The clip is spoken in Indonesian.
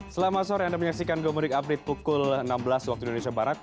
selamat sore anda menyaksikan gomudik update pukul enam belas waktu indonesia barat